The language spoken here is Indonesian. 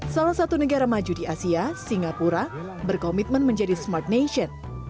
salah satu negara maju di asia singapura berkomitmen menjadi smart nation